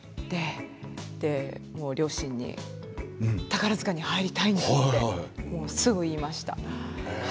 もう両親に宝塚に入りたいんだって、すぐ言いました。